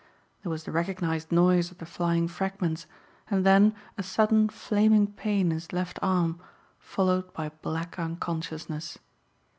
There was the recognized noise of the flying fragments and then a sudden flaming pain in his left arm followed by black unconsciousness.